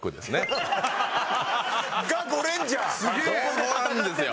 そこなんですよ。